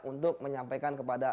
untuk menyampaikan kepada